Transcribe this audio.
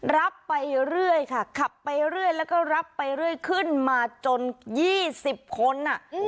รับไปเรื่อยค่ะขับไปเรื่อยแล้วก็รับไปเรื่อยขึ้นมาจน๒๐คน